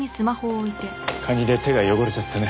カニで手が汚れちゃってね。